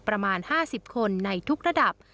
ประมาณ๕๐คนในทุกระดับ